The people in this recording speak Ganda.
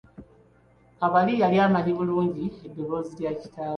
Kabali yali amanyi bulungi eddoboozi lya kitawe.